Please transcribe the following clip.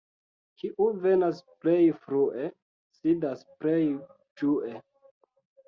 Kiu venas plej frue, sidas plej ĝue.